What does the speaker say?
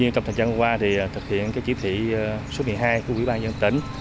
nhưng trong thời gian qua thì thực hiện chỉ thị số một mươi hai của quỹ ban dân tỉnh